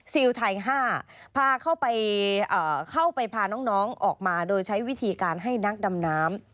ซิลไทยห้าพาเข้าไปเอ่อเข้าไปพาน้องน้องออกมาโดยใช้วิธีการให้นักดำน้ำ